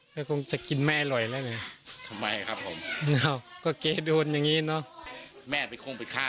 มันคงจะกินแม่อร่อยแล้วนี่ก็เก้ดวนอย่างนี้เนอะ